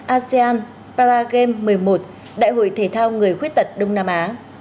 asean para games một mươi một đại hội thể thao người khuyết tật đông nam á